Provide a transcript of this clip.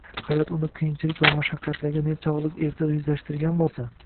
Hayot uni qiyinchilik va mashaqqatlarga nechog’lik erta yuzlashtirgan bo’lsa